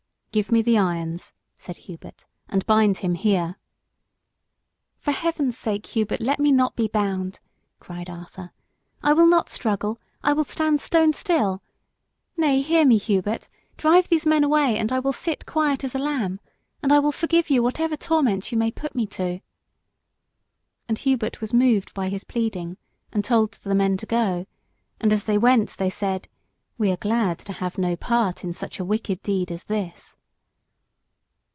"Give me the irons," said Hubert, "and bind him here." "For heaven's sake, Hubert, let me not be bound," cried Arthur. "I will not struggle I will stand stone still. Nay, hear me, Hubert, drive these men away and I will sit as quiet as a lamb, and I will forgive you whatever torment you may put me to." And Hubert was moved by his pleading, and told the men to go; and as they went they said "We are glad to have no part in such a wicked deed as this."